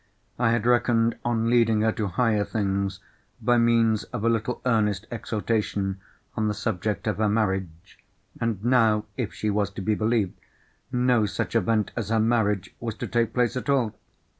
I had reckoned on leading her to higher things by means of a little earnest exhortation on the subject of her marriage. And now, if she was to be believed, no such event as her marriage was to take place at all.